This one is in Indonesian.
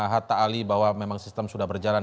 hatta ali bahwa memang sistem sudah berjalan